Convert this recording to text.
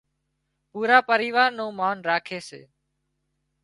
پُورا پريوار نُون مانَ راکي سي